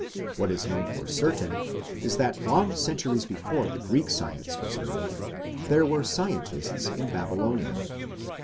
What is known for certain is that long centuries before the Greek science was heard of, there were scientists in Babylonia.